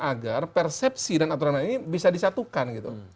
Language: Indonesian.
agar persepsi dan aturan ini bisa disatukan gitu